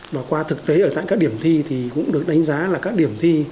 và qua thực tế ở tại các điểm thi thì cũng được đánh giá là các điểm thi